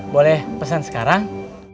boleh pesen sekarang